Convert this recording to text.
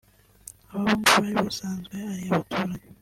aba bombi bari basanzwe ari abaturanyi